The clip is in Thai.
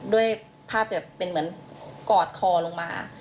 ด้วยภาพแบบเป็นเหมือนกอดคอลงมา